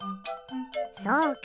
そうか。